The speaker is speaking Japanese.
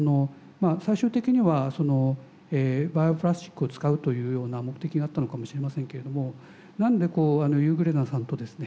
最終的にはバイオプラスチックを使うというような目的があったのかもしれませんけれども何でユーグレナさんとですね